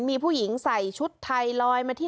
มีผู้หญิงใส่ชุดไทยลอยมาที่